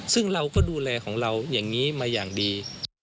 ซึ่งเราก็ดูแลของเราอย่างนี้มาอย่างดี